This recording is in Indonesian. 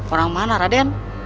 orang mana raden